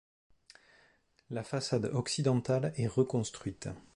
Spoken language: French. La façade occidentale est reconstruite.